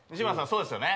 そうですよね